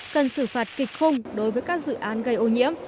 cần xử phạt kịch khung đối với các dự án gây ô nhiễm